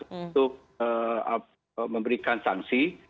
untuk memberikan sangsi